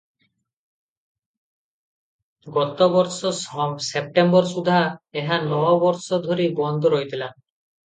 ଗତ ବର୍ଷ ସେପ୍ଟେମ୍ବର ସୁଦ୍ଧା ଏହା ନଅ ବର୍ଷ ଧରି ବନ୍ଦ ରହିଥିଲା ।